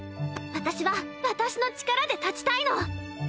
私は私の力で立ちたいの。